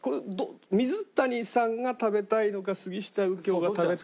水谷さんが食べたいのか杉下右京が食べたいのか？